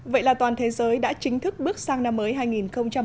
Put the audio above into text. vậy là toàn thế giới đã chính thức bước sang năm mới hai nghìn một mươi tám